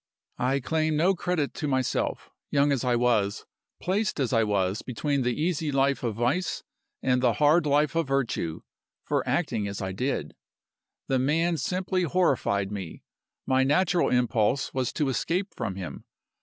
"I claim no credit to myself young as I was, placed as I was between the easy life of Vice and the hard life of Virtue for acting as I did. The man simply horrified me: my natural impulse was to escape from him.